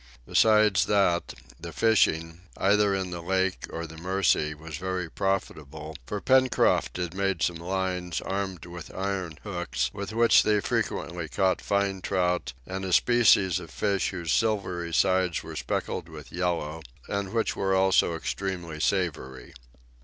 Besides that, the fishing, either in the lake or the Mercy, was very profitable, for Pencroft had made some lines, armed with iron hooks, with which they frequently caught fine trout, and a species of fish whose silvery sides were speckled with yellow, and which were also extremely savory.